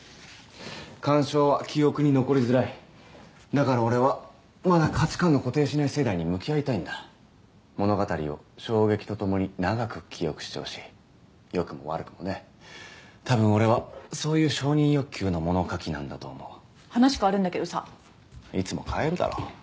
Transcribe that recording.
鑑賞は記憶に残りづらいだから俺はまだ価値観の固定しない世代に向き合いたいんだ物語を衝撃と共に長く記憶してほしいよくも悪くもね多分俺はそういう承認欲求の物書き話変わるんだけどさいつも変えるだ